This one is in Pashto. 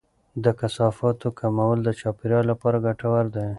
د کثافاتو کمول د چاپیریال لپاره ګټور دی.